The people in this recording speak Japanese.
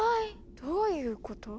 どういうこと？